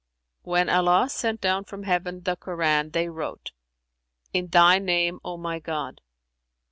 "When Allah sent down from Heaven the Koran, they wrote, 'In Thy name, O my God!'